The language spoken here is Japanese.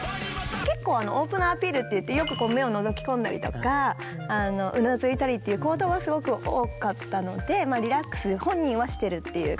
結構オープナーアピールっていってよく目をのぞき込んだりとかうなずいたりっていう行動はすごく多かったのでリラックス本人はしてるっていう。